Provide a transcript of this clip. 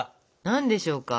何でしょうか？